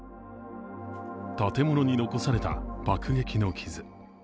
建物に残された爆撃の傷。